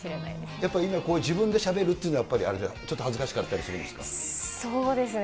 やっぱり今は、自分でしゃべるっていうのは、やっぱりあれだ、ちょっと恥ずかしかったりするんそうですね。